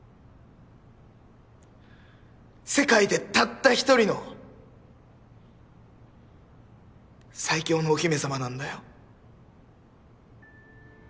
世界でたった１人の最強のお姫様なんだよ。